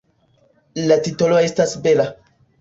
La titolo estas bela.